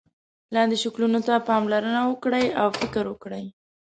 لاندې شکلونو ته پاملرنه وکړئ او فکر وکړئ.